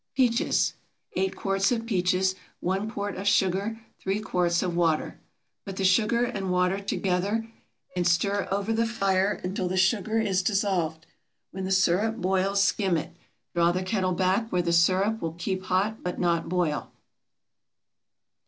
PEACHES. 8 quarts of peaches. 1 quart of sugar. 3 quarts of water. Put the sugar and water together and stir over the fire until the sugar is dissolved. When the sirup boils skim it. Draw the kettle back where the sirup will keep hot but not boil.